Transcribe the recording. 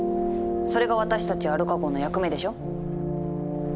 それが私たちアルカ号の役目でしょ。